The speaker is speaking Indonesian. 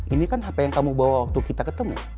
ini kan apa yang kamu bawa waktu kita ketemu